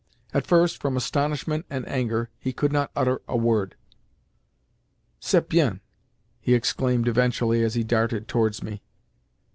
At first, from astonishment and anger, he could not utter a word. "C'est bien!" he exclaimed eventually as he darted towards me.